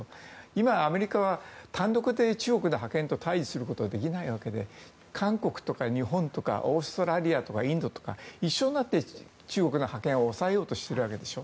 今、アメリカは単独で中国の覇権と対峙することはできないわけで韓国、日本オーストラリア、インドとか一緒になって中国の覇権を抑えようとしてるわけでしょ。